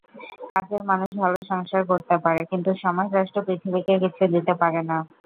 কাজের মানুষ ভালো সংসার করতে পারে, কিন্তু সমাজ-রাষ্ট্র-পৃথিবীকে কিছু দিতে পারে না।